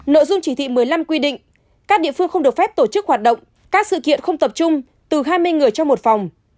nội dung chỉ thị một mươi năm quy định các địa phương không được phép tổ chức hoạt động các sự kiện không tập trung từ hai mươi người cho một phòng